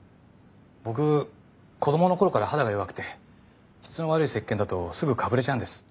僕子どもの頃から肌が弱くて質の悪い石鹸だとすぐかぶれちゃうんです。